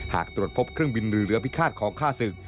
หากตรวจพบเครื่องบินหรือเหลือพิฆาตของค่าศึก